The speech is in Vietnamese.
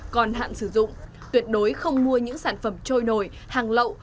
còn hạn sử dụng tuyệt đối không mua những sản phẩm trôi nổi hàng lậu